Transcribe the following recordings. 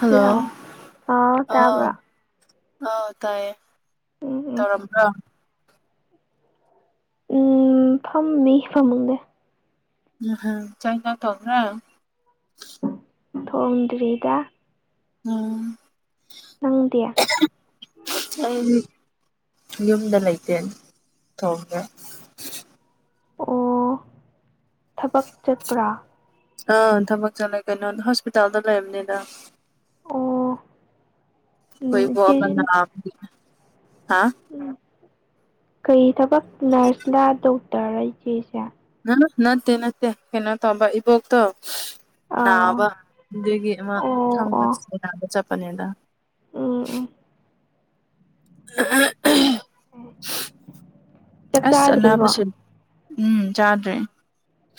hello ꯑꯥꯎ ꯇꯥꯕ꯭ꯔꯣ ꯑꯥꯎ ꯇꯥꯏꯌꯦ ꯎꯝ ꯎꯝ ꯇꯧꯔꯝꯕ꯭ꯔꯣ ꯎꯝ ꯐꯝꯃꯤ ꯐꯝꯃꯨꯡꯗꯦ ꯎꯝꯝ ꯆꯥꯏꯅ ꯇꯣ꯭ꯔ ꯊꯧꯟꯔꯤꯗ ꯎꯝ ꯎ ꯌꯨꯝꯗ ꯂꯩꯇꯦꯜ ꯊꯣꯡꯉꯦ ꯑꯣ ꯊꯕꯛ ꯆꯠꯄ꯭ꯔꯥ ꯑꯥ ꯊꯕꯛ ꯆꯠꯂ ꯀꯩꯅꯣ ꯍꯣꯁꯄꯤꯇꯥꯜꯗ ꯂꯩꯔꯕꯅꯤꯗ ꯑꯣ ꯎꯝ ꯑꯩꯈꯣꯏ ꯏꯆꯦꯁꯤ ꯄꯣꯕꯅ ꯍꯥꯥ ꯀꯔꯤ ꯊꯕꯛ ꯅꯔꯁꯂ ꯗꯣꯛꯇꯔ ꯏꯆꯦꯁꯦ ꯅ ꯅꯠꯇꯦ ꯅꯠꯇꯦ ꯀꯩꯅꯣ ꯇꯧꯕꯧꯕ ꯏꯕꯣ ꯇꯣ ꯑꯥ ꯅꯥꯕ ꯑꯗꯨꯗꯒꯤ ꯑꯃ ꯑꯣ ꯊꯥꯡꯕ ꯑꯣ ꯅꯥꯕ ꯆꯠꯄꯅꯦꯗ ꯎꯝ ꯎ ꯑ ꯆꯥꯛ ꯑꯁ ꯆꯥꯗ꯭ꯔꯤꯕꯣ ꯑꯅꯥꯕꯁꯨ ꯎꯝ ꯆꯥꯗ꯭ꯔꯦ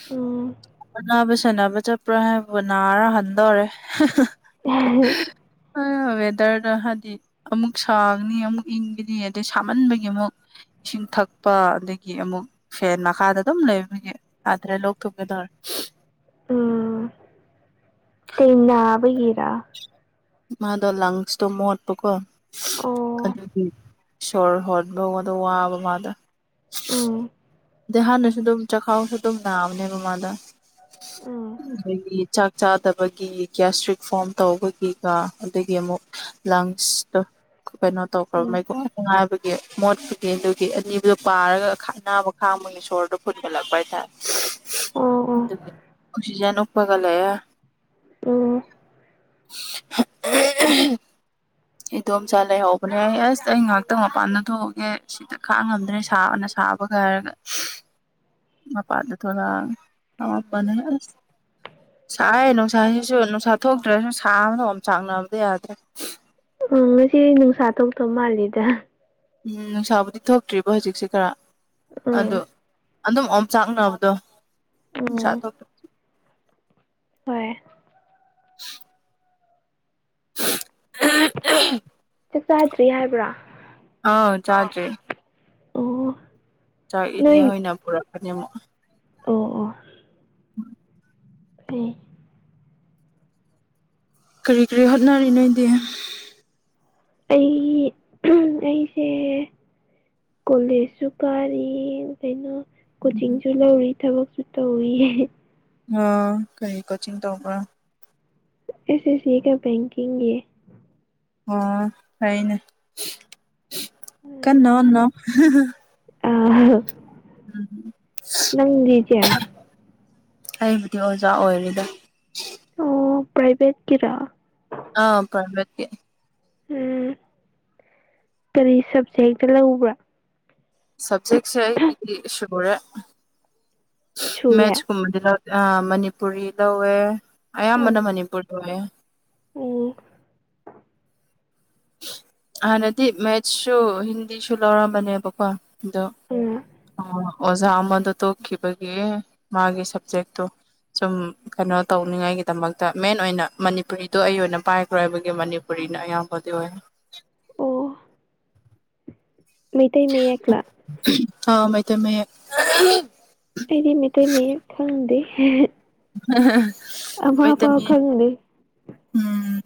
ꯎꯝ ꯅꯥꯕ ꯁꯥꯟꯅꯕ ꯆꯠꯄ꯭ꯔꯥ ꯍꯥꯏꯕꯕꯨ ꯅꯥꯔ ꯍꯟꯗꯧꯔꯦ ꯑ ꯍ ꯋꯦꯗꯔꯗ ꯍꯥꯏꯗꯤ ꯑꯃꯨꯛ ꯁꯥꯒꯅꯤ ꯑꯃꯨꯛ ꯏꯪꯒꯅꯤ ꯑꯗꯩ ꯁꯥꯃꯟꯕꯒꯤ ꯑꯃꯨꯛ ꯏꯁꯤꯡ ꯊꯛꯄ ꯑꯗꯒꯤ ꯑꯃꯨꯛ ꯐꯦꯟ ꯃꯈꯥꯗ ꯑꯗꯨꯝ ꯂꯩꯕꯒꯤ ꯌꯥꯗ꯭ꯔꯦ ꯂꯧꯊꯣꯛꯀ ꯇꯔꯦ ꯎꯝ ꯀꯩꯅꯥꯕꯒꯦꯔ ꯃꯥꯗꯣ ꯂꯪꯁꯇꯣ ꯃꯣꯠꯄꯀꯣ ꯑꯣ ꯑꯗꯨꯗꯤ ꯁꯣꯔ ꯍꯣꯠꯕꯣꯟꯗ ꯋꯥꯕ ꯃꯥꯗ ꯑ ꯑ ꯍꯥꯟꯅꯁꯨ ꯑꯗꯨꯝ ꯆꯥꯛꯈꯥꯎꯁꯨ ꯑꯗꯨꯝ ꯅꯥꯕꯅꯦꯕꯃꯥꯗ ꯎꯝ ꯑꯗꯒꯤ ꯆꯥꯗꯕꯒꯤ ꯒ꯭ꯁꯇ꯭ꯔꯤꯛ ꯐꯣꯝ ꯇꯧꯕꯒꯤꯀ ꯑꯗꯒꯤ ꯑꯃꯨꯛ ꯂꯪꯁꯇ ꯀꯩꯅꯣ ꯇꯧꯈ꯭ꯔꯕ ꯎꯝ ꯃꯩꯀꯨꯞꯅꯨꯡꯉꯥꯏꯕꯒꯤ ꯃꯣꯠꯄꯒꯤ ꯑꯗꯨꯒꯤ ꯑꯅꯤꯗꯨꯣ ꯄꯥꯔꯒ ꯈꯠꯅꯕ ꯈꯥ ꯃꯣꯏꯒꯤ ꯁꯣꯔꯗ ꯐꯨꯒꯠꯂꯛꯄ ꯍꯥꯏꯇꯥꯔꯦ ꯑꯣ ꯑꯣ ꯑꯗꯨꯒꯤ ꯑꯣꯛꯁꯤꯖꯦꯟ ꯒꯥ ꯂꯦ ꯑꯣ ꯑ ꯏꯗꯣꯝꯆꯥ ꯂꯩꯍꯧꯕꯅꯦ ꯑꯩ ꯑꯁ ꯑꯩ ꯉꯥꯏꯍꯥꯛꯇꯪ ꯃꯄꯥꯟꯗ ꯊꯣꯛꯑꯒꯦ ꯁꯤꯗ ꯈꯥꯛ ꯉꯝꯗ꯭ꯔꯦ ꯁꯥꯕꯅ ꯂꯥꯕꯀꯔ ꯃꯄꯥꯥꯗ ꯊꯔꯥ ꯑꯋꯥꯄꯅꯦ ꯁꯥꯏ ꯅꯨꯡꯁꯥꯁꯤꯁꯨ ꯅꯨꯡꯁꯥ ꯊꯣꯛꯇ꯭ꯔꯁꯨ ꯁꯥꯕꯅꯝ ꯆꯥꯛꯅꯕꯗꯤ ꯌꯥꯗ꯭ꯔꯦ ꯎꯪ ꯉꯁꯤ ꯅꯨꯡꯁꯥ ꯊꯣꯛꯣꯛꯇꯧ ꯃꯥꯜꯂꯤꯦꯗ ꯎꯝ ꯅꯨꯡꯁꯥꯕꯨꯗꯤ ꯊꯣꯛꯇ꯭ꯔꯤꯕꯣ ꯍꯧꯖꯤꯛꯁꯦ ꯈꯔ ꯑꯥ ꯑꯗꯣ ꯑꯗꯨꯝ ꯑꯝ ꯆꯥꯛꯅꯕꯗꯣ ꯎꯝ ꯄꯁꯥ ꯍꯣꯏ [inaudible] ꯑ ꯆ ꯆꯥꯛ ꯆꯥꯗ꯭ꯔꯤ ꯍꯥꯏꯕ꯭ꯔꯥ ꯑꯥ ꯆꯥꯖ꯭ꯔꯔꯤ ꯑꯣ ꯆꯥꯛꯏꯅꯦ ꯍꯣꯏ ꯅꯣꯏ ꯑꯣꯏꯅ ꯄꯨꯔꯛꯀꯅꯤ ꯑꯃꯨꯛ ꯑꯣ ꯑꯣ ꯎꯝ ꯎ ꯀꯔꯤ ꯀꯔꯤ ꯍꯣꯠꯅꯔꯤꯅꯗꯤ ꯑꯩ ꯑꯩꯁꯦ ꯀꯣꯂꯦꯖꯁꯨ ꯀꯥꯔꯤ ꯀꯩꯅꯣ ꯀꯣꯆꯤꯡꯁꯨ ꯂꯧꯔꯤ ꯊꯕꯛꯁꯨ ꯇꯧꯋ ꯑ ꯀꯔꯤ ꯀꯣꯆꯤꯡ ꯇꯧꯕ ꯑꯦꯁ ꯑꯦꯁ ꯀ ꯦꯡꯀꯤ ꯌꯦ ꯑꯣ ꯍꯅꯦ ꯀꯟꯅꯣꯅꯣ ꯑ ꯅꯪꯖꯦ ꯑꯩꯕꯨꯗꯤ ꯑꯣꯖꯥ ꯑꯣꯏꯔꯤꯦꯗ ꯑꯣ ꯄ꯭ꯔꯥꯏꯚꯦꯠꯀꯤꯔꯥ ꯑ ꯄꯔꯝꯕꯦ ꯎꯝ ꯀꯔꯤ ꯁꯕꯖꯦꯛꯇ ꯂꯧꯕ꯭ꯔꯥ ꯁꯞꯖꯦꯛꯁꯦꯗꯤ ꯁꯒꯣꯔꯦ ꯁꯨꯔꯦ ꯃꯦꯊꯁ ꯀꯨꯝꯕꯗꯨꯅ ꯑ ꯃꯅꯤꯄꯨꯔꯤ ꯂꯧꯋꯦ ꯑꯌꯥꯝꯕꯅ ꯃꯅꯤꯄꯨꯔ ꯂꯧꯋꯦ ꯑꯣ ꯍꯥꯟꯅꯗꯤ ꯃꯦꯠꯁꯁꯨ ꯍꯤꯟꯗꯤꯁꯨ ꯂꯧꯔꯝꯕꯅꯦꯕꯀꯣ ꯗ ꯑ ꯑꯣꯖꯥ ꯑꯃꯗ ꯇꯣꯛꯈꯤꯕꯒꯤ ꯃꯥꯒꯤ ꯁꯕꯖꯦꯛꯇꯣ ꯁꯨꯝ ꯀꯩꯅꯣ ꯇꯧꯅꯤꯡꯉꯥꯏꯒꯤꯗꯃꯛꯇ ꯃꯦꯟ ꯑꯣꯏꯅ ꯃꯅꯤꯄꯨꯔꯤꯗꯣ ꯑꯩ ꯑꯣꯏꯅ ꯄꯥꯏꯈ꯭ꯔꯣ ꯍꯥꯏꯕꯒꯤ ꯃꯅꯤꯄꯨꯔꯤ ꯅ ꯑꯣ ꯃꯩꯇꯩ ꯃ ꯌꯥ ꯀꯂ ꯑ ꯃꯥꯏ ꯇꯃꯦ ꯎꯝ ꯍ ꯑꯃ ꯄꯥꯎ ꯈꯪꯗꯦ ꯎꯝ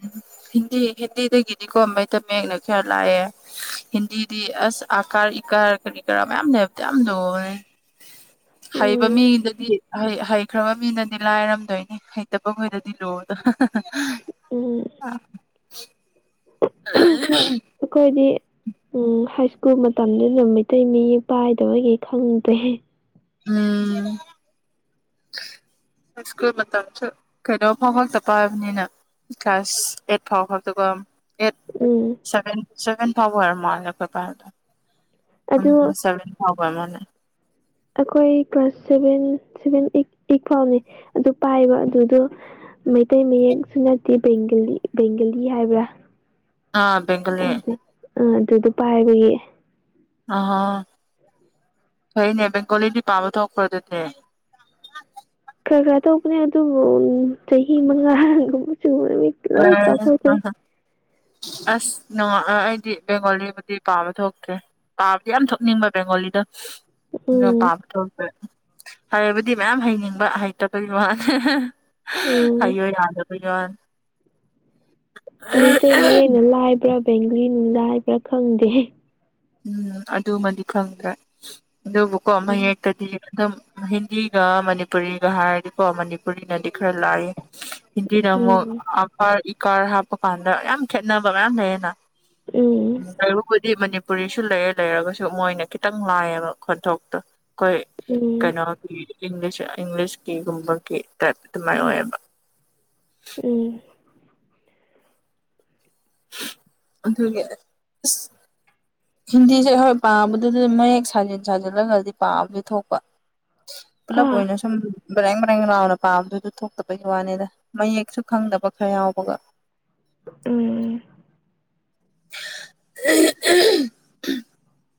ꯍꯤꯟꯗꯤ ꯍꯤꯟꯗꯤꯗꯒꯤꯗꯤꯀꯣ ꯃꯩ ꯇꯃꯦꯌꯦꯛꯅ ꯈꯌꯥ ꯂꯥꯛꯑꯦ ꯍꯤꯟꯗꯤꯗꯤ ꯑꯁ ꯀꯥꯔ ꯏꯀꯥꯔ ꯀꯔꯤ ꯀꯔꯥ ꯃꯌꯥꯝꯅꯦꯕꯗꯤ ꯌꯥꯝ ꯂꯣꯦ ꯍꯩꯕ ꯎꯝ ꯃꯤꯗꯗꯤ ꯍꯩꯈ꯭ꯔꯕ ꯃꯤꯅꯗꯤ ꯂꯥꯏꯔꯝꯗꯣꯏꯅꯤ ꯍꯩꯇꯕꯈꯣꯏꯗꯗꯤ ꯂꯣꯗ ꯎꯝ ꯑ ꯑꯩꯈꯣꯏꯗꯤ ꯎꯝ ꯍꯥꯏ ꯁ꯭ꯀꯨꯜ ꯃꯇꯝꯗꯨꯗ ꯃꯩꯇꯩ ꯃꯤ ꯄꯥꯏꯗꯕꯒꯤ ꯈꯪꯗꯦ ꯎꯝ ꯁ꯭ꯀꯨꯜ ꯃꯇꯝꯁꯨ ꯀꯩꯅꯣꯝꯐ ꯍꯣꯡ ꯆ ꯄꯥꯏꯕꯅꯤꯅ ꯀ꯭ꯂꯥꯁ ꯑꯦꯠ ꯐꯥꯎ ꯐꯕꯗ ꯀꯝ ꯑꯦꯠ ꯎꯝ ꯁꯚꯦꯟ ꯁꯚꯦꯟ ꯐꯥꯎꯕ ꯑꯣꯏꯔꯝ ꯃꯥꯜꯂꯦ ꯑꯩꯈꯣꯏ ꯄꯥꯏꯜꯗ ꯑꯗꯨ ꯎꯝ ꯁꯚꯦꯟ ꯊꯥꯎꯕꯅꯦ ꯑꯩꯈꯣꯏ ꯀ꯭ꯂꯥꯁ ꯁꯚꯦꯟ ꯁꯚꯦꯟ ꯑꯩ ꯐꯥꯎꯅꯦ ꯑꯗꯨ ꯄꯥꯏꯕ ꯑꯗꯨꯗꯣ ꯃꯩꯇꯩ ꯃꯌꯦꯛꯁꯨꯅꯗꯤꯦ ꯕꯦꯡꯒꯂꯤ ꯕꯦꯡꯒꯂꯤ ꯍꯥꯏꯕ꯭ꯔꯥ ꯑꯥ ꯕꯒꯂꯤ ꯑ ꯑꯗꯨꯗꯣ ꯄꯥꯏꯕꯒꯤ ꯑ ꯊꯩꯅꯦ ꯦꯡꯒꯣꯂꯤꯗꯤ ꯄꯥꯕ ꯊ ꯈꯔꯗꯦ ꯈꯔ ꯈꯔ ꯇꯧꯕꯅꯦ ꯑꯗꯨꯕꯨ ꯆꯍꯤ ꯃꯉꯥꯒꯨꯝꯕ ꯁꯨꯕꯗ ꯍ ꯂꯣꯏ ꯀꯥꯎꯊꯣꯛꯈ꯭ꯔꯦ ꯍ ꯑꯁ ꯅꯨꯡꯉꯑ ꯑꯩꯗꯤ ꯕꯦꯡꯒꯣꯂꯤꯕꯨꯗꯤ ꯄꯥꯕ ꯊꯣꯛꯇꯦ ꯄꯥꯕꯗꯤ ꯌꯥꯝ ꯊꯣꯛꯅꯤꯡꯕ ꯕꯦꯡꯒꯣꯂꯤꯗ ꯑꯗꯨꯒ ꯎꯝ ꯄꯥꯕ ꯊꯣꯛꯄꯦ ꯍꯥꯏꯕꯨꯗꯤ ꯃꯌꯥꯝ ꯍꯩꯅꯤꯡꯕ ꯍꯩꯇꯕꯣꯏꯒꯤ ꯃꯥꯅꯦ ꯎꯝ ꯍꯩꯌꯣ ꯌꯥꯗ ꯋꯥꯟ ꯃꯩꯇꯩ ꯃꯌꯦꯛꯅ ꯂꯥꯏꯕ꯭ꯔꯥ ꯕꯦꯡꯒꯂꯤꯅ ꯂꯥꯏꯕ꯭ꯔꯥ ꯈꯪꯗꯦ ꯎꯝ ꯑꯗꯨꯃꯗꯤ ꯈꯪꯗ꯭ꯔꯦ ꯑꯗꯨꯕꯨꯀꯣ ꯎꯝ ꯃꯌꯦꯛꯇꯗꯤ ꯑꯗꯨꯝ ꯍꯤꯟꯗꯤꯒ ꯃꯅꯤꯄꯨꯔꯤꯒ ꯍꯥꯏꯔꯗꯤꯀꯣ ꯃꯅꯤꯄꯨꯔꯤꯅꯗꯤ ꯈꯔ ꯂꯥꯏꯏ ꯍꯤꯟꯗꯤꯗ ꯑꯃꯨꯛ ꯑꯀꯔ ꯏꯀꯥꯔ ꯍꯥꯞꯄ ꯀꯥꯟꯗ ꯌꯥꯝ ꯈꯦꯠꯅꯕ ꯃꯌꯥꯝ ꯂꯩꯌꯦꯅ ꯎꯝ ꯀꯗꯤ ꯃꯅꯤ ꯄꯨꯔꯤꯁꯨ ꯂꯩꯔꯦ ꯂꯩꯔꯒꯁꯨ ꯃꯣꯏꯅ ꯈꯤꯇꯪ ꯂꯥꯏꯌꯦꯕ ꯈꯣꯟꯊꯣꯛꯇꯣ ꯀꯣꯏ ꯎꯝ ꯀꯩꯅꯣ ꯏꯂꯤꯁ ꯏꯪꯂꯤꯁ ꯀꯤꯒꯨꯝꯕꯒꯤꯞ ꯑꯗꯨꯃꯥꯏꯅ ꯑꯣꯏꯌꯦꯕ ꯎꯝ ꯑꯗꯨꯗꯒꯤ ꯍꯤꯟꯗꯤꯁꯦ ꯍꯣꯏ ꯄꯥꯕꯗ ꯑꯗꯨ ꯃꯌꯦꯛ ꯁꯥꯖꯤꯟ ꯁꯥꯖꯤꯜꯂꯒꯗꯤ ꯄꯥꯕꯗꯤ ꯊꯣꯛꯄ ꯑꯥ ꯄꯨꯂꯞꯣꯏꯅ ꯁ ꯕꯔꯦꯡ ꯕꯔꯦꯡ ꯂꯥꯎꯅ ꯄꯥꯝꯕꯗꯨꯗ ꯊꯣꯛꯇꯕꯒꯤ ꯋꯥꯅꯤꯗ ꯃꯌꯦꯛꯁꯨ ꯈꯪꯗꯕ ꯈꯔ ꯌꯥꯎꯕꯒ ꯎꯝ [inaudible]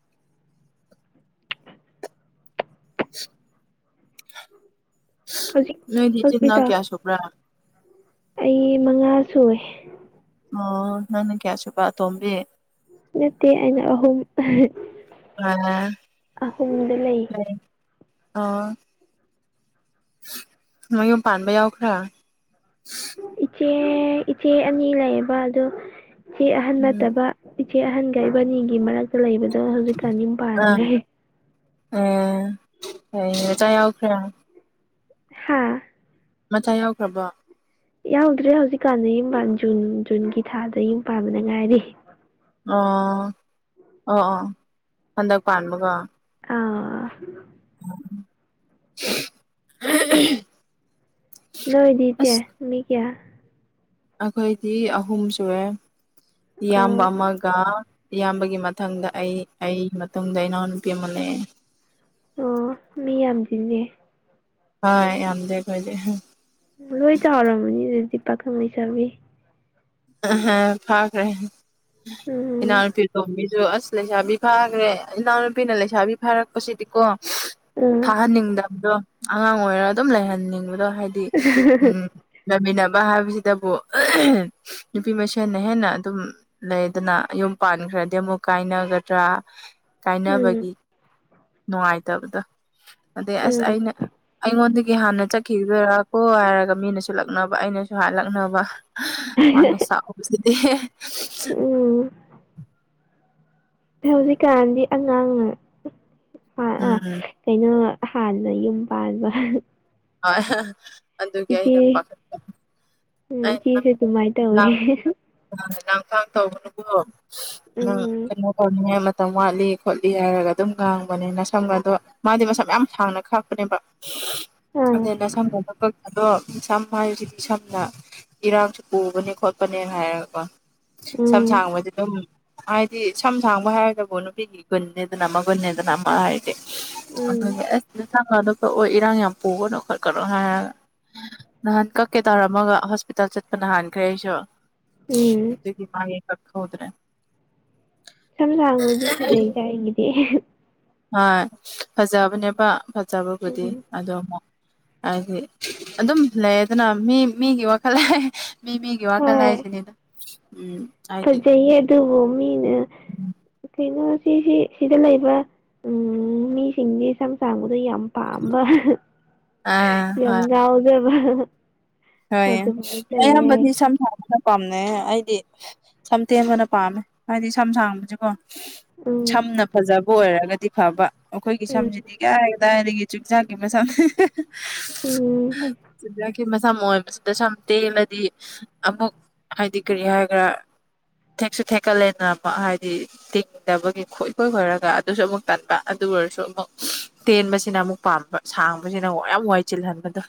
[unintelligible] ꯍꯧꯖꯤꯛ ꯅꯣꯏ ꯆꯅ ꯍꯣꯁꯄꯤꯇꯥꯜ ꯀꯌꯥꯁꯕ꯭ꯔꯥ ꯑꯩ ꯃꯉꯥ ꯁꯨꯔꯦ ꯑꯣ ꯅꯪ ꯀꯌꯥꯁꯕ ꯇꯣꯝꯕꯦ ꯅꯠꯇ ꯑꯩꯅ ꯑꯍꯨꯝ ꯑꯥ ꯑꯍꯨꯝꯗ ꯂꯩ ꯎꯝ ꯑ ꯅꯌꯨꯝ ꯄꯥꯟꯕ ꯌꯥꯎꯈ꯭ꯔꯥ ꯏꯆꯦ ꯏꯆꯦ ꯑꯅꯤ ꯂꯩꯌꯦꯕ ꯑꯗꯣ ꯏꯆꯦ ꯑꯍꯟ ꯎꯝ ꯅꯠꯇꯕ ꯏꯦ ꯑꯍꯟꯒ ꯏꯕꯥꯅꯤꯒꯤ ꯃꯔꯛꯇ ꯂꯩꯕꯗꯣ ꯍꯧꯖꯤꯛꯀꯅꯤꯝ ꯄꯥꯜꯂꯦ ꯑꯩꯖ ꯑꯣꯈ꯭ꯔꯥꯡ ꯍꯥꯥ ꯃꯊꯆꯥ ꯌꯥꯎꯈ꯭ꯔꯕꯣ ꯌꯥꯎꯗ꯭ꯔꯦ ꯍꯧꯖꯤꯛꯀꯥꯟꯗ ꯌꯨꯝ ꯖꯨꯟ ꯖꯨꯟꯒꯤ ꯊꯥꯗ ꯌꯨꯝ ꯄꯥꯟꯕꯅ ꯉꯥꯏꯔꯤ ꯑꯣ ꯑꯣ ꯑꯣ ꯍꯟꯗꯛ ꯄꯥꯟꯕꯒ ꯑꯥ [unintelligible] ꯅꯣꯏꯗꯤꯆꯦ ꯑꯁ ꯃꯤ ꯀꯌꯥ ꯑꯩꯈꯣꯏꯗꯤ ꯑꯍꯨꯝ ꯁꯨꯔꯦ ꯏꯌꯥꯝꯕ ꯑꯣ ꯑꯃꯒ ꯏꯌꯥꯝꯕꯒꯤ ꯃꯊꯪꯗ ꯑꯩ ꯑꯩꯒꯤ ꯃꯇꯨꯡꯗ ꯏꯅꯥꯎꯅꯨꯄꯤ ꯑꯃ ꯂꯩꯑꯦ ꯑꯣ ꯃꯤ ꯌꯥꯝ ꯆꯁꯦ ꯍ ꯌꯥꯝꯗꯦꯈꯖꯦ ꯂꯣꯏ ꯆ ꯍꯔ ꯃꯅꯤ ꯔꯗꯤ ꯄ ꯈ ꯃꯩ ꯆꯥꯔꯕꯤ ꯐꯥ꯭ꯔꯦ ꯏꯟꯅ ꯎꯝ ꯄ ꯑꯗꯨ ꯑꯁ ꯂꯩꯁꯥꯕꯤ ꯐꯥꯈ꯭ꯔꯦ ꯏꯅꯥꯎꯅꯨꯄꯤꯅ ꯂꯩꯁꯥꯕꯤ ꯐꯥꯔꯛꯄꯁꯤꯗꯤꯀꯣ ꯎꯝ ꯊꯥꯍꯟꯅꯤꯡꯗꯕꯗꯣ ꯑꯉꯥꯡ ꯑꯣꯏꯔ ꯑꯗꯨꯝ ꯂꯩꯍꯟꯅꯤꯡꯕꯗꯣ ꯍꯥꯏꯗꯤ ꯎꯝ ꯂꯩꯃꯤꯟꯅꯕ ꯍꯥꯏꯕꯁꯤꯗꯕꯨ ꯅꯨꯄꯤ ꯃꯁꯦꯜꯅ ꯍꯦꯟꯅ ꯑꯗꯨꯝ ꯂꯩꯗꯅ ꯌꯨꯝ ꯄꯥꯟꯈ꯭ꯔꯗꯤ ꯑꯃꯨꯛ ꯀꯥꯏꯅꯒꯗ꯭ꯔꯥ ꯎꯝ ꯀꯥꯏꯅꯕꯒꯤ ꯅꯨꯡꯉꯥꯏꯇꯕꯗꯣ ꯑꯗꯩ ꯑꯁ ꯎꯝ ꯑꯩꯅ ꯑꯩꯉꯣꯟꯗꯒꯤ ꯒꯤ ꯍꯥꯟꯅ ꯆꯠꯈꯤꯗꯣꯏꯔ ꯀꯣ ꯍꯥꯏꯔꯒ ꯃꯤꯅꯁꯨ ꯂꯛꯅꯕ ꯑꯩꯅꯁꯨ ꯍꯥꯏꯂꯛꯅꯕ ꯍꯅ ꯁꯥꯕꯁꯤꯗꯤ ꯎꯝ ꯍꯧꯖꯤꯛꯀꯥꯟꯗꯤ ꯑꯉꯥꯡꯅ ꯎꯝ ꯀꯩꯅꯣ ꯍꯥꯟꯅ ꯌꯨꯝ ꯄꯥꯟꯕꯕ ꯑꯗꯨꯒꯤ ꯑꯩꯅ ꯄꯥꯈꯠ ꯎꯝ ꯆꯖꯤꯁꯦ ꯇꯨꯃꯥꯏ ꯇ ꯑꯣꯏ ꯂꯥꯡꯊꯥꯡ ꯇꯧꯕꯅꯕꯨꯣ ꯅꯪ ꯎꯝ ꯀꯩꯅꯣ ꯇꯧꯅꯤꯡꯉꯦ ꯃꯇꯝ ꯋꯥꯠꯂꯤ ꯈꯣꯠꯂꯤ ꯍꯥꯏꯔꯒ ꯑꯗꯨꯝ ꯉꯥꯡꯕꯅꯤꯅ ꯁꯪꯕ ꯑꯗꯣ ꯃꯥꯗꯤ ꯃꯁꯝ ꯌꯥꯝ ꯁꯥꯡꯅ ꯈꯥꯛꯄꯅꯦꯕ ꯑꯥ ꯑꯗꯨꯅ ꯁꯝꯅꯛꯗꯣ ꯁꯝ ꯍꯥꯏꯔꯤꯁꯤꯗꯤ ꯁꯝꯅ ꯏꯔꯥꯡꯁꯨ ꯄꯨꯕꯅꯦ ꯈꯣꯠꯄꯅꯦꯅ ꯍꯥꯏꯔꯒꯀꯣ ꯁꯝ ꯎꯝ ꯁꯥꯡꯕꯁ ꯑꯗꯨꯝ ꯍꯥꯏꯗꯤ ꯁꯝ ꯁꯥꯡꯕ ꯍꯥꯏꯔꯒꯕꯨ ꯅꯨꯄꯤꯒꯤ ꯒꯨꯟꯅꯦꯗꯅ ꯑꯃꯒꯨꯟꯅꯦꯗꯅ ꯑꯃ ꯍꯥꯏ ꯎꯝ ꯊꯃꯅ ꯍ ꯏꯔꯥꯡ ꯌꯥꯝ ꯄꯨꯒꯅꯨ ꯈꯣꯠꯀꯅꯣ ꯍꯥꯏꯔꯒ ꯅꯍꯥꯟ ꯀꯛꯀꯦ ꯇꯥꯔꯝꯃꯒ ꯄꯇ ꯆꯠꯄ ꯅꯍꯥꯟꯈ꯭ꯔꯦ ꯑꯩꯁꯨ ꯎꯝ ꯑꯗꯨꯗꯤ ꯃꯥ ꯀꯛꯍꯧꯗ꯭ꯔꯦ ꯁꯝꯂꯥꯡꯕꯗꯤ ꯐꯖꯩ ꯀ ꯑꯩꯒꯤꯗꯤ ꯍꯣꯏ ꯐꯖꯕꯅꯦꯕ ꯐꯖꯕꯕꯨꯗꯤ ꯎꯝ ꯑꯗꯣ ꯑꯃꯨꯛ ꯍꯥꯏꯗꯤ ꯑꯗꯨꯝ ꯂꯩꯗꯅ ꯃꯤ ꯃꯤꯒꯤ ꯋꯥꯈꯜ ꯃꯤ ꯃꯤꯒꯤ ꯋꯥ ꯀꯜꯂ ꯍꯥꯏꯁꯤꯦꯅꯤꯗ ꯖꯩꯦ ꯑꯗꯨ ꯃꯃꯤꯅ ꯀꯩꯅꯣ ꯁꯤꯁꯤ ꯁꯤꯗ ꯂꯩꯕ ꯎꯝ ꯃꯤꯁꯤꯡꯁ ꯁꯝ ꯁꯥꯡꯕꯗ ꯌꯥꯝ ꯄꯥꯝꯕ ꯑꯥ ꯌꯥꯝ ꯍꯣꯏ ꯉꯥꯎꯗꯦꯕ ꯍꯣꯏ ꯑ ꯌꯥꯝꯕ ꯁꯊꯥ ꯄꯥꯝꯅꯩ ꯑꯩꯗꯤ ꯁꯝ ꯇꯦꯝꯕꯅ ꯄꯥꯝꯃꯦ ꯍꯥꯏꯗꯤ ꯁꯝ ꯁꯥꯡꯕꯕꯁꯤꯀꯣ ꯎꯝ ꯁꯝꯅ ꯐꯖꯕ ꯑꯣꯏꯔꯒꯗꯤ ꯐꯕ ꯑꯩꯈꯣꯏꯒꯤ ꯎꯝ ꯁꯝꯁꯤꯗꯤ ꯀ ꯗꯥꯏꯗꯒꯤ ꯆꯤꯟꯖꯥꯛꯀꯤ ꯃꯁ ꯎꯝ ꯆꯤꯟꯖꯥꯛꯀꯤꯁ ꯁꯝꯣꯏꯕꯁꯤꯗ ꯁꯝ ꯇꯦꯜꯂꯗꯤ ꯑꯃꯨꯛ ꯍꯥꯏꯗꯤ ꯀꯔꯤ ꯍꯥꯏꯒ꯭ꯔꯥ ꯊꯦꯛꯁꯨ ꯊꯦꯛꯀꯠꯂꯦꯅ ꯑꯃꯨꯛ ꯍꯥꯏꯗꯤ ꯇꯤꯡꯗꯕꯒꯤ ꯈꯣꯏ ꯈꯣꯏ ꯈꯣꯏꯔꯒ ꯑꯗꯨꯁꯨ ꯑꯃꯨꯛ ꯇꯟꯕ ꯑꯗꯨ ꯑꯗꯨ ꯑꯣꯏꯔꯁꯨ ꯑꯃꯨꯛ ꯇꯦꯟꯕꯁꯤꯅ ꯑꯃꯨꯛ ꯄꯥꯝꯕ ꯁꯥꯡꯕꯁꯤꯅ ꯑꯃꯨ ꯌꯥꯝ ꯋꯥꯏ ꯆꯤꯜꯍꯟꯕꯗꯣ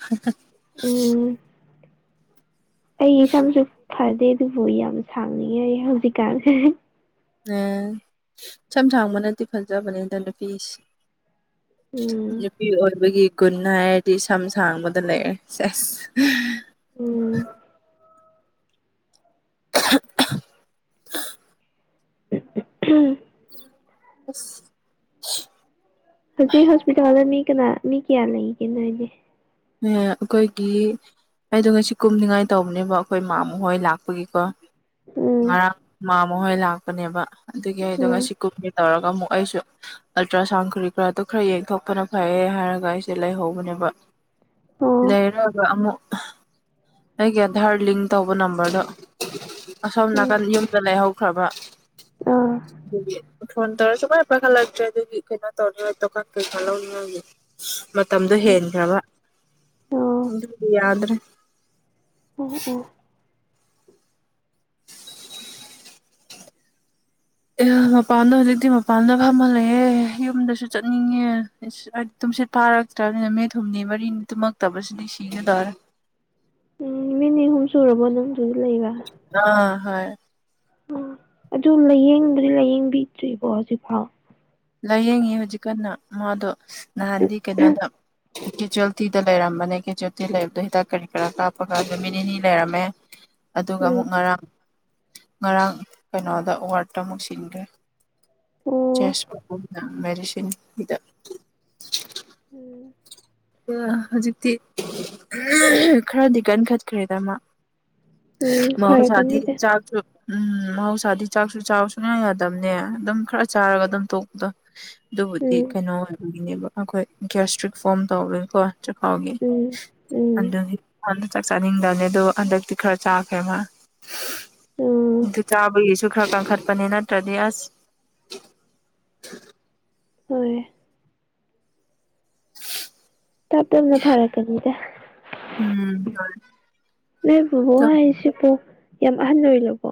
ꯎꯝ ꯑꯩ ꯁꯝꯁꯨꯨ ꯐꯗꯦ ꯑꯗꯨꯕꯨ ꯌꯥꯝ ꯁꯥꯡꯅꯤꯡꯉꯦ ꯍꯧꯖꯤꯛꯀꯥꯟꯁꯦ ꯑꯦꯝ ꯁꯝ ꯊꯥꯡꯕꯅꯗꯤ ꯐꯖꯕꯅꯤꯗ ꯅꯨꯄꯤꯁꯦ ꯎꯝ [inaudible] ꯒꯨꯟ ꯍꯥꯏꯔꯗꯤ ꯁꯝ ꯁꯥꯡꯕꯗ ꯂꯩꯔꯦ ꯁꯁ ꯎꯝ [unintelligible] ꯎꯝ ꯑ ꯍꯧꯁ ꯍꯣꯁꯄꯤꯇꯥꯜꯗ ꯃꯤ ꯀꯅꯥ ꯃꯤ ꯀꯌꯥ ꯂꯩ ꯀꯅꯖꯤ ꯑꯦ ꯑꯩꯈꯣꯏꯒꯤ ꯑꯩꯗꯣ ꯉꯁꯤ ꯀꯨꯝꯅꯤꯡꯉꯥꯏ ꯇꯧꯕꯅꯦꯕ ꯑꯩꯈꯣꯏ ꯃꯥ ꯃꯈ ꯍꯣꯏ ꯂꯥꯛꯄꯒꯤꯀꯣ ꯎꯝ ꯉꯔꯥꯡ ꯃꯈꯣꯏ ꯂꯥꯛꯄꯅꯦꯕ ꯑꯗꯨꯒꯤ ꯑꯩꯗꯣ ꯎꯝ ꯉꯁꯤ ꯀꯨꯝꯒ ꯇꯧꯔꯒ ꯑꯃꯨꯛ ꯑꯩꯁꯨ ꯑꯜꯇ꯭ꯔ ꯁꯥꯎꯟ ꯈꯨꯔꯤ ꯈꯔꯗ ꯈꯔ ꯌꯦꯡꯊꯣꯛꯄꯅ ꯐꯩꯌꯦ ꯍꯥꯏꯔꯒ ꯑꯩꯁꯦ ꯂꯩꯍꯧꯕꯅꯦꯕ ꯑꯣ ꯂꯩꯔꯒ ꯑꯃꯨꯛ ꯑꯩꯒꯤ ꯑꯙꯥꯔ ꯂꯤꯡ ꯇꯧꯕ ꯅꯝꯕꯔꯗꯣ ꯑꯁꯣꯝ ꯎꯝ ꯅꯥꯀꯟ ꯌꯨꯝꯗ ꯂꯩꯍꯧꯈ꯭ꯔꯕ ꯑꯥ ꯑꯗꯨꯗꯤ ꯐꯣꯟ ꯇꯧꯔꯁꯨ ꯀꯥꯏꯅ ꯄꯥꯏꯈꯠꯂꯛꯇ꯭ꯔꯦ ꯑꯗꯨꯒꯤ ꯀꯩꯅꯣ ꯇꯧꯔꯤ ꯗꯨꯀꯥꯟ ꯀꯩꯀꯥ ꯂꯧꯔꯤꯣꯒꯤ ꯃꯇꯝꯗꯨ ꯎꯝ ꯑꯣ ꯍꯦꯖꯕꯗꯤꯗ꯭ꯔꯦ ꯎ ꯎ ꯑꯦ ꯃꯄꯥꯟꯗ ꯍꯧꯖꯤꯛꯇꯤ ꯃꯄꯥꯟꯗ ꯐꯝꯍꯜꯂꯑꯦ ꯌꯨꯝꯗꯁꯨ ꯆꯠꯅꯤꯡꯉꯦ ꯨꯝꯁꯤꯠ ꯐꯥꯔꯛꯇ꯭ꯔꯕꯅꯤꯅ ꯃꯤꯠꯊꯨꯝꯅꯤ ꯃꯔꯤꯅꯤ ꯇꯨꯝꯃꯛꯇꯕꯁꯤꯗꯤ ꯁꯤꯒꯗꯔꯦ [unintelligible] ꯎꯝ ꯅꯨꯃꯤꯠ ꯅꯤ ꯍꯨꯝ ꯆꯔꯔꯕꯣꯅꯪ ꯑꯥ ꯍꯣꯏ ꯎ ꯑꯗꯨ ꯂꯥꯏꯌꯦꯡꯕꯗꯤ ꯂꯥꯏꯌꯦꯡꯕꯤꯗ꯭ꯔꯤꯕꯔꯤꯕꯣ ꯍꯧꯖꯤꯛꯐꯥꯎ ꯂꯥꯏꯌꯦꯡꯉꯤ ꯍꯧꯖꯤꯛꯀꯥꯟꯅ ꯃꯥꯗꯣ ꯅꯍꯥꯟꯗꯤ ꯀꯩꯅꯣꯗ ꯀꯦꯖꯨꯋꯦꯜꯇꯤꯗ ꯂꯩꯔꯝꯕꯅꯦ ꯀꯦꯖꯨꯋꯦꯜꯇꯤ ꯂꯩꯕꯗꯣ ꯍꯤꯗꯥꯛ ꯀꯔꯤ ꯀꯔꯥ ꯀꯥꯞꯄꯒ ꯅꯨꯃꯤꯠ ꯅꯤꯅꯤ ꯂꯩꯔꯝꯃꯦ ꯑꯗꯨꯒ ꯎꯝ ꯑꯃꯨꯛ ꯉꯔꯥꯡ ꯉꯔꯥꯡ ꯀꯩꯅꯣꯗ ꯑꯦꯋꯥꯔꯠꯇ ꯑꯃꯨꯛ ꯁꯤꯟꯈ꯭ꯔꯦ ꯑꯣ ꯆꯁ ꯄꯗ ꯕꯔꯤꯁꯟ ꯍꯗ ꯎꯝ ꯍꯧꯖꯤꯛꯇꯤ ꯈꯔꯗꯤ ꯀꯟꯈꯠꯈ꯭ꯔꯦꯗꯃ ꯎꯝ ꯃꯥꯕꯨ ꯁꯥꯗꯤ ꯐꯔꯛꯀꯅꯤꯗ ꯆꯥ ꯎꯝ ꯃꯍꯧꯁꯥꯗꯤ ꯆꯥꯛꯁꯨ ꯆ ꯁꯨꯡꯅ ꯌꯥꯗꯕꯅꯦ ꯑꯗꯨꯝ ꯈꯔ ꯆꯥꯔꯒ ꯑꯗꯨꯝ ꯇꯣꯛꯄꯗꯣ ꯑꯗꯨꯕꯨꯗꯤ ꯎꯝ ꯀꯩꯅꯣ ꯑꯣꯏꯕꯒꯤꯅꯦꯕ ꯑꯩꯈꯣꯏ ꯒ꯭ꯁꯇ꯭ꯔꯤꯛ ꯐꯣꯝ ꯇꯧꯔꯣꯏꯀꯣ ꯎꯝ ꯎꯝ ꯆꯀꯥꯥꯎꯒꯦꯖ ꯆꯥꯛ ꯆꯥꯅꯤꯡꯗꯕꯅꯦ ꯑꯣ ꯍꯟꯗꯛꯇꯤ ꯈꯔ ꯆꯥꯈ꯭ꯔꯦ ꯃꯥ ꯎꯝ ꯑꯗꯨ ꯆꯥꯕꯒꯤ ꯁꯨ ꯈꯔ ꯀꯟꯈꯠꯄꯅꯤ ꯅꯠꯇ꯭ꯔꯗꯤ ꯑꯁ ꯍꯣꯏ ꯇꯄꯅ ꯐꯔ ꯀꯅꯤꯗ ꯎꯝ ꯅꯣꯏ ꯕꯕꯣ ꯍꯥꯏꯁꯤꯕꯨ ꯌꯥꯝ ꯑꯍꯜ ꯑꯣꯏ ꯂꯕꯣ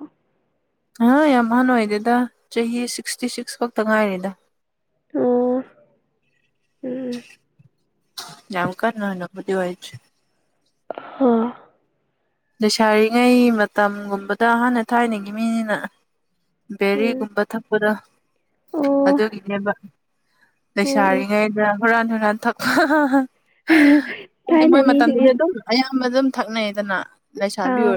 ꯑꯥ ꯌꯥꯝ ꯍꯥꯟ ꯑꯣꯏꯗꯦꯗ ꯆꯍꯤ ꯁꯤꯛꯁꯇꯤ ꯁꯤꯛꯁ ꯈꯛꯇ ꯉꯥꯏꯔꯤꯦꯗ ꯑꯣ ꯎꯝ ꯌꯥꯝꯎꯀꯔ ꯅꯅꯕꯨꯗꯤ ꯑꯣꯏꯏꯖ ꯍꯥꯥ ꯂꯩꯁꯥꯔꯤꯉꯩ ꯃꯇꯝꯒꯨꯝꯕꯗ ꯑꯍꯥꯟꯅ ꯊꯥꯏꯅꯒꯤ ꯃꯤꯅꯤꯅ ꯎꯝ ꯕꯦꯔꯤꯒꯨꯝꯕ ꯊꯛꯄꯗ ꯑꯣ ꯑꯗꯨꯒꯤꯅꯦꯕ ꯎꯝ ꯎꯝ ꯂꯩꯁꯥꯔꯤꯉꯩꯗ ꯍꯨꯔꯥꯟ ꯍꯨꯔꯥꯟ ꯊꯛꯄ ꯍꯥꯏꯗꯤ ꯊꯥꯏꯅ ꯃꯣꯏ ꯃꯇꯝꯗꯨꯗꯤ ꯃꯤꯁꯤꯡꯗꯤ ꯑꯗꯨꯝ ꯑꯌꯥꯝꯕ ꯑꯗꯨꯝ ꯊꯛꯅꯩꯗꯅ ꯂꯩꯁꯥꯕꯤ ꯑꯥ ꯑꯣꯏ